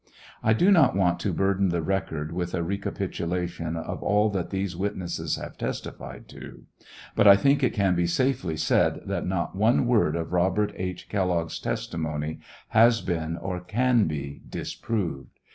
I do not want to burden the record with a recapitulation of all that these wit nesses have testified to, but I thinh it can be safely said that not one word of liobert H. Kellogg's testimony has been or can be disproved.